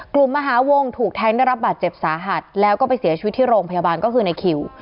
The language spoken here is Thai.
มหาวงถูกแทงได้รับบาดเจ็บสาหัสแล้วก็ไปเสียชีวิตที่โรงพยาบาลก็คือในคิว